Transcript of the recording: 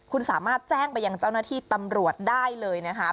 คุณสามารถแจ้งไปยังเจ้าหน้าที่ตำรวจได้เลยนะคะ